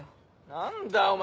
何だお前